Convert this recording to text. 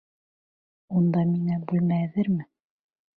Унда миңә бүлмә әҙерме?